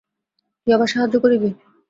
তুই আবার সাহায্য করিবি!